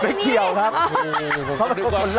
เกี่ยวครับ